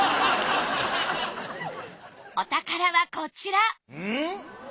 お宝はこちらん？